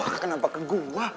wah kenapa ke gua